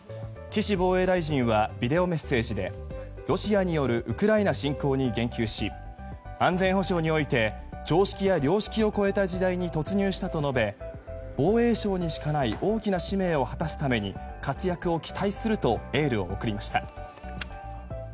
岸防衛大臣はビデオメッセージでロシアによるウクライナ侵攻に言及し安全保障において常識や良識を超えた時代に突入したと述べ防衛省にしかない大きな使命を果たすために活躍を期待するとエールを送りました。